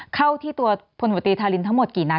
เข้าที่ตัวภุรบุตรีธาริณเท่ามนตรกี่นัด